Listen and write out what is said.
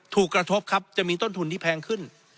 กระทบครับจะมีต้นทุนที่แพงขึ้น